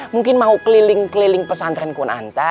mungkin mau keliling keliling pesantren kun anta